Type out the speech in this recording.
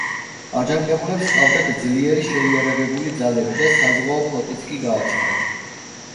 აჯანყებულებს ჰყავდათ ძლიერი შეიარაღებული ძალები და საზღვაო ფლოტიც კი გააჩნდათ.